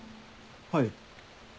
はい。